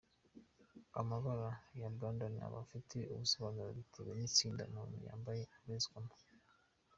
Amabara ya Bandana aba afite ubusobanuro bitewe n’itsinda umuntu uyambaye abarizwamo.